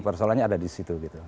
persoalannya ada di situ